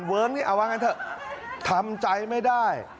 เวิ้งที่เอาไว้ไว้เถอะทำใจไม่ได้